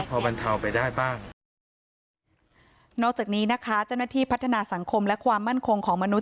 พอบรรเทาไปได้บ้างนอกจากนี้นะคะเจ้าหน้าที่พัฒนาสังคมและความมั่นคงของมนุษ